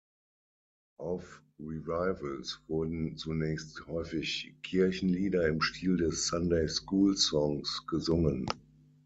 Auf Revivals wurden zunächst häufig Kirchenlieder im Stil des "Sunday School Songs" gesungen.